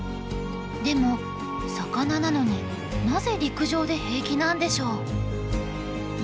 でも魚なのになぜ陸上で平気なんでしょう？